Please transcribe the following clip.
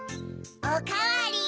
・おかわり！